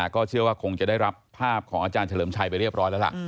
ก็เชื่อว่าคงจะได้รับภาพของอาจารย์เฉลิมชัยไปเรียบร้อยแล้วล่ะ